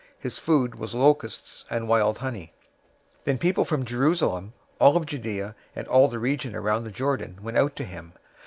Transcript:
His food was locusts and wild honey. 003:005 Then people from Jerusalem, all of Judea, and all the region around the Jordan went out to him.